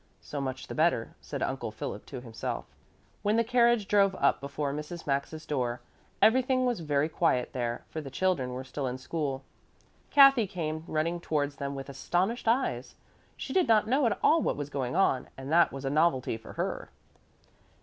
So much the better," said Uncle Philip to himself. When the carriage drove up before Mrs. Maxa's door, everything was very quiet there, for the children were still in school. Kathy came running towards them with astonished eyes. She did not know at all what was going on, and that was a novelty for her.